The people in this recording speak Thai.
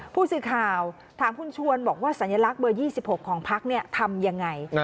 ผู้สื่อข่าวถามคุณชวนบอกว่าสัญลักษณ์เบอร์๒๖ของพักทำยังไง